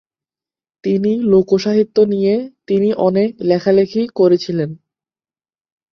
তিনি লোকসাহিত্য নিয়ে তিনি অনেক লেখালেখি করেছিলেন।